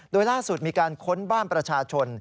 โดยล่าสุดมีการค้นบ้านประชาชน